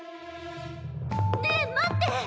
ねえ待って！